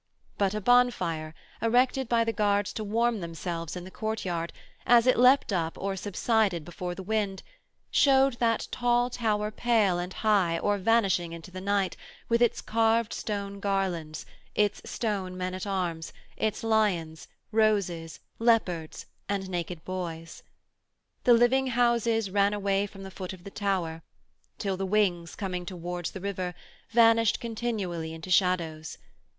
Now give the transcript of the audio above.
But a bonfire, erected by the guards to warm themselves in the courtyard, as it leapt up or subsided before the wind, shewed that tall tower pale and high or vanishing into the night with its carved stone garlands, its stone men at arms, its lions, roses, leopards, and naked boys. The living houses ran away from the foot of the tower, till the wings, coming towards the river, vanished continually into shadows.